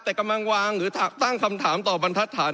แต่กำลังวางหรือตั้งคำถามต่อบรรทัศน์